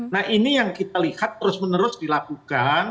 nah ini yang kita lihat terus menerus dilakukan